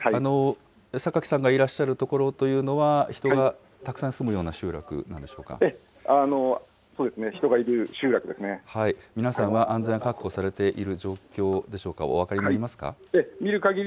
さかきさんがいらっしゃるところというのは、人がたくさん住むよそうですね、人がいる集落で皆さんは安全確保されている状況でしょうか、お分かりになりますか。